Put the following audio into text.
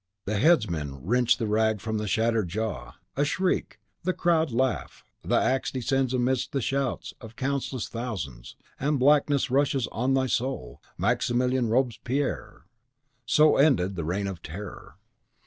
The headsmen wrench the rag from the shattered jaw; a shriek, and the crowd laugh, and the axe descends amidst the shout of the countless thousands, and blackness rushes on thy soul, Maximilien Robespierre! So ended the Reign of Terror.